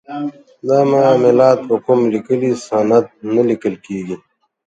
دا معاملات په کوم لیکلي سند نه لیکل کیږي.